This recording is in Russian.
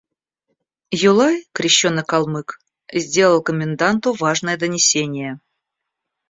Юлай, крещеный калмык, сделал коменданту важное донесение.